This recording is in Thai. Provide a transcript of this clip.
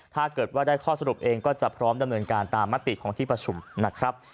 ถ้าเกิดว่าได้ข้อสรุปเองก็จะพร้อมดำเนินการตามมติของที่ประชุมนะครับ